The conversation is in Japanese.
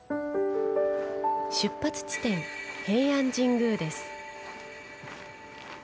出発地点、平安神宮です。